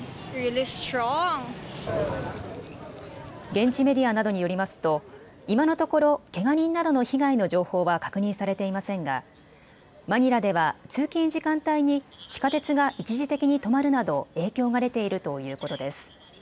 現地メディアなどによりますと今のところけが人などの被害の情報は確認されていませんがマニラでは通勤時間帯に地下鉄が一時的に止まるなど影響が出ているということです。